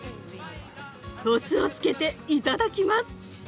お酢をつけていただきます！